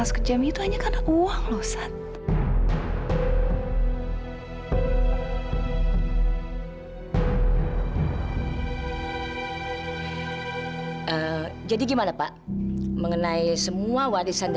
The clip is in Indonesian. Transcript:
sampai jumpa di video selanjutnya